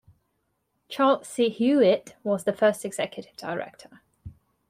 Charles C. Hewitt was the first executive director.